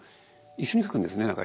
一緒に描くんですか？